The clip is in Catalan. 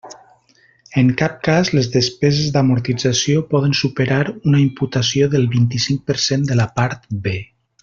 En cap cas les despeses d'amortització poden superar una imputació del vint-i-cinc per cent de la Part B.